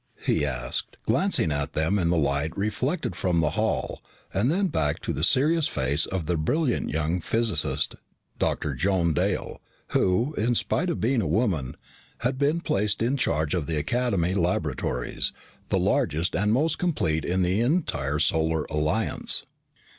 he asked, glancing at them in the light reflected from the hall, and then back to the serious face of the brilliant young physicist, Dr. Joan Dale, who, in spite of being a woman, had been placed in charge of the Academy laboratories, the largest and most complete in the entire Solar Alliance.